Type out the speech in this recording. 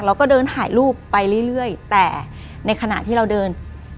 เราก็เดินถ่ายรูปไปเรื่อยแต่ในขณะที่เราเดิน